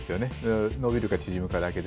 伸びるか縮むかだけで。